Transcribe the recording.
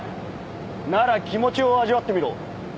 なら気持ちを味わってみろ。